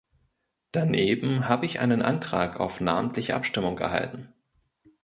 Daneben habe ich einen Antrag auf namentliche Abstimmung erhalten.